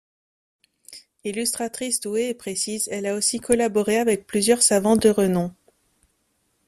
Illustratrice douée et précise, elle a aussi collaboré avec plusieurs savants de renom.